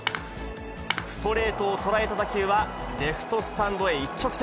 ストレートを捉えた打球は、レフトスタンドへ一直線。